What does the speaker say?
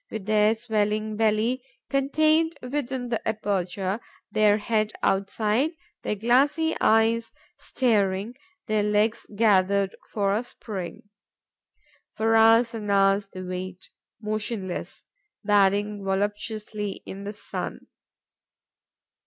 With their swelling belly contained within the aperture, their head outside, their glassy eyes staring, their legs gathered for a spring, for hours and hours they wait, motionless, bathing voluptuously in the sun.